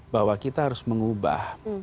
bahwa kita harus mengubah